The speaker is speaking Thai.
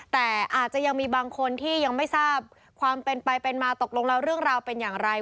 แต่อาจจะยังมีบางคนที่ยังไม่ทราบความเป็นไปเป็นมาตกลงแล้วเรื่องราวเป็นอย่างไร